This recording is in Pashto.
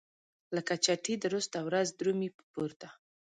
لکه چتي درسته ورځ درومي په پورته.